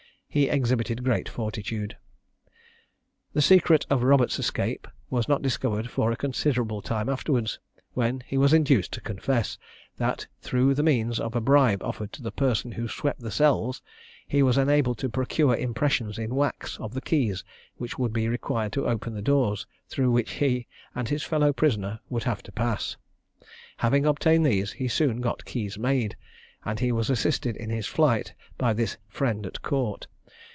He exhibited great fortitude. The secret of Roberts' escape was not discovered for a considerable time afterwards, when he was induced to confess, that through the means of a bribe offered to the person who swept the cells, he was enabled to procure impressions in wax of the keys which would be required to open the doors through which he and his fellow prisoner would have to pass. Having obtained these, he soon got keys made, and he was assisted in his flight by this "friend at court."